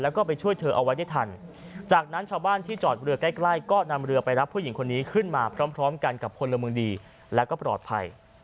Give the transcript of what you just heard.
แล้วก็ไปช่วยเธอเอาไว้ได้ทันจากนั้นชาวบ้านที่จอดเรือใกล้ก็นำเรือไปรับผู้หญิงคนนี้ขึ้นมาพร้อมกันกับพลเมืองดีแล้วก็ปลอดภัย